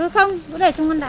ừ không cũng để trong con đá